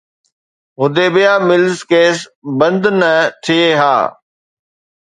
Hudaibiya mills case بند نه ٿئي ها.